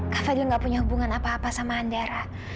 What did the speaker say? kak fadil nggak punya hubungan apa apa sama andara